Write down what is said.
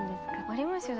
ありますよ。